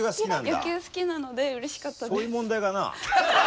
野球好きなのでうれしかったです。